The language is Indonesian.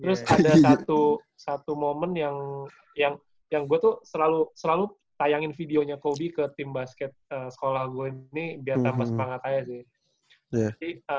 terus ada satu momen yang gue tuh selalu tayangin videonya coby ke tim basket sekolah gue ini biar tambah semangat aja sih